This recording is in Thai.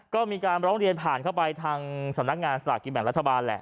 ก็มีการร้องเรียนผ่านเข้าไปทางสำนักงานสลากกินแบ่งรัฐบาลแหละ